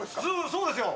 そうですよ。